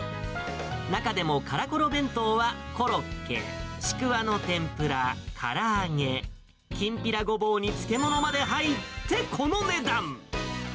中でもからころ弁当は、コロッケ、ちくわの天ぷら、から揚げ、きんぴらごぼうに漬物まで入ってこの値段。